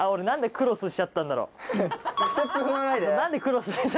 何でクロスしちゃったんだろう。